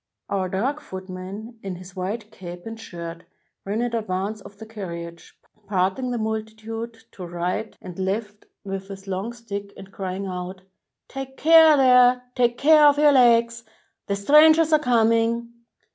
Our dark footman, in his white cap and shirt, ran in advance of the carriage, parting the multitude to right 59 EGYPT and left with his long stick, and crying out: "Take care, there! Take care of your legs! The strangers are com ing!"